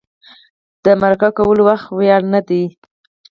د مرکه کولو وخت وړیا نه دی.